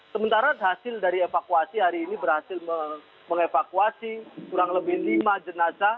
sementara hasil dari evakuasi hari ini berhasil mengevakuasi kurang lebih lima jenazah